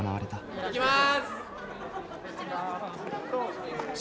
いきます！